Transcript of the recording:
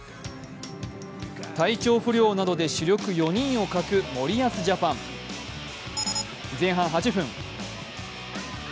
体調不良などで主力４人を欠く森保ジャパン。前半８分。